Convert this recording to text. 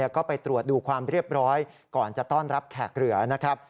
ก็ไปตรวจดูความเรียบร้อยก่อนจะต้อนรับแขกเหลือนะครับ